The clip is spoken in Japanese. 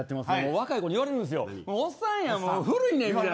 若い子に言われるんですよおっさんや、古いね。